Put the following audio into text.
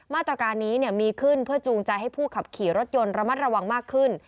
มาตรการนี้มีขึ้นเพื่อจูงใจให้ผู้ขับขี่รถยนต์ระมัดระวังมากขึ้น